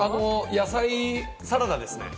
野菜サラダですね。